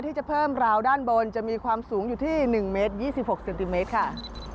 ที่จะเพิ่มราวด้านบนจะมีความสูงอยู่ที่๑เมตร๒๖เซนติเมตรค่ะ